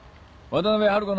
渡辺春子。